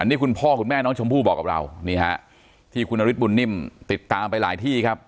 นี่คุณพ่อคุณแม่น้องชมพู่บอกกับเรานี่ฮะที่คุณนฤทธบุญนิ่มติดตามไปหลายที่ครับ